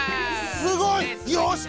すごい！よし！